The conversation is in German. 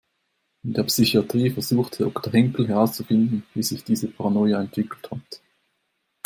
In der Psychatrie versucht Doktor Henkel herauszufinden, wie sich diese Paranoia entwickelt hat.